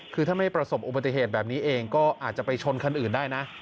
คือถ้าไม่ประสบอุบัติเหตุแบบนี้เองก็อาจจะไปชนคันอื่นได้นะ